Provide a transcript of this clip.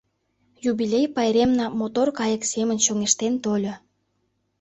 Юбилей пайремна мотор кайык семын чоҥештен тольо.